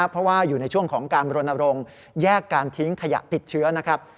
เพราะว่าอยู่ในช่วงของการบรณรงค์แยกการทิ้งขยะติดเชื้อนะครับ